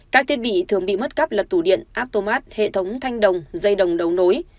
các thiết bị thường bị mất cắp là tủ điện aptomat hệ thống thanh đồng dây đồng đấu nối